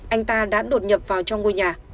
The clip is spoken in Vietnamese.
anh ta đã đột nhập vào trong ngôi nhà